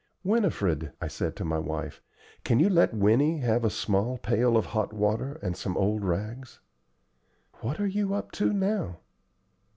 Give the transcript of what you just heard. "Winifred," I said to my wife, "can you let Winnie have a small pail of hot water and some old rags?" "What are you up to now?"